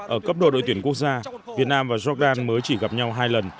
ở cấp độ đội tuyển quốc gia việt nam và jordan mới chỉ gặp nhau hai lần